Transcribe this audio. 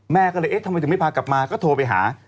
แม่ก็เลยเอ๊ะทำไมถึงไม่พากลับมาก็โทรไปหา